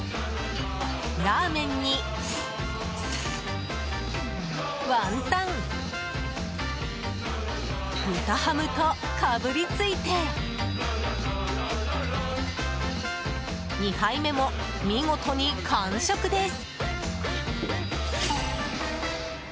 ラーメンにワンタン豚ハムとかぶりついて２杯目も見事に完食です。